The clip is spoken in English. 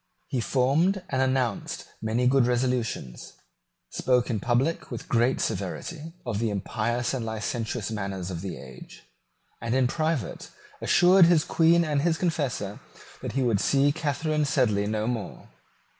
He formed and announced many good resolutions, spoke in public with great severity of the impious and licentious manners of the age, and in private assured his Queen and his confessor that he would see Catharine Sedley no more.